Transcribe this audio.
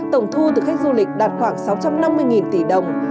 tổng thu từ khách du lịch đạt khoảng sáu trăm năm mươi tỷ đồng